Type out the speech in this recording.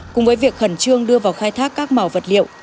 cùng với việc khẩn trương đưa vào khai thác các mỏ vật liệu